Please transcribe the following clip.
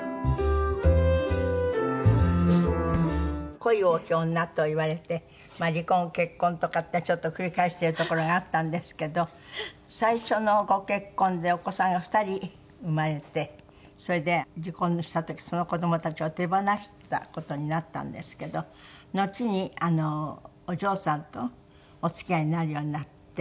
恋多き女といわれて離婚結婚とかってちょっと繰り返してるところがあったんですけど最初のご結婚でお子さんが２人生まれてそれで離婚をした時その子どもたちを手放した事になったんですけどのちにお嬢さんとお付き合いになるようになって？